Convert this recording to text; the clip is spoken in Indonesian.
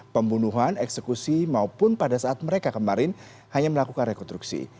pembunuhan eksekusi maupun pada saat mereka kemarin hanya melakukan rekonstruksi